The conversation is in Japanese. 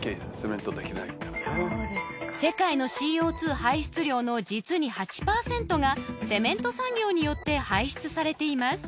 世界のＣＯ２排出量の実に８％がセメント産業によって排出されています